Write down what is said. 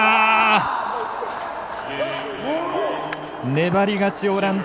粘り勝ち、オランダ。